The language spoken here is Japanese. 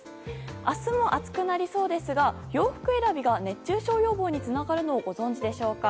明日も暑くなりそうですが洋服選びが熱中症予防につながるのをご存じでしょうか。